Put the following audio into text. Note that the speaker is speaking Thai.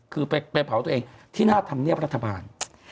คือไปเผาตัวเองที่หน้าธรรมเนียบรัฐบาล